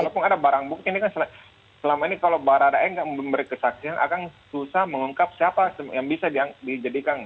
walaupun ada barang bukti ini kan selama ini kalau baradae nggak memberi kesaksian akan susah mengungkap siapa yang bisa dijadikan